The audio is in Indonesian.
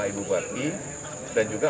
ibu baki dan juga